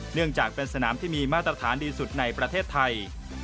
เนื่องจากเป็นสนามที่มีมาตรฐานดีสุดในประเทศไทย